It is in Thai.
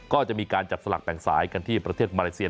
ก็จะมีการจับสลักแบ่งสายกันที่ประเทศมาเลเซีย